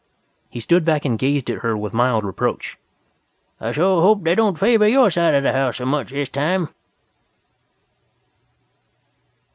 He stood back and gazed at her with mild reproach. "I shore hope they don't favor your side of the house so much this time."